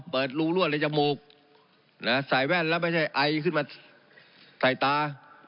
รูรั่วในจมูกใส่แว่นแล้วไม่ใช่ไอขึ้นมาใส่ตา